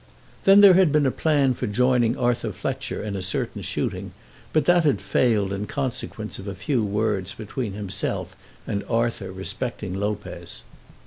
Then there had been a plan for joining Arthur Fletcher in a certain shooting, but that had failed in consequence of a few words between himself and Arthur respecting Lopez.